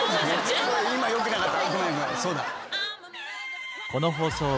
今よくなかった。